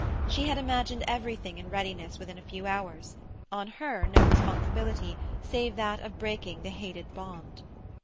She had imagined everything in readiness within a few hours; on her no responsibility save that of breaking the hated bond.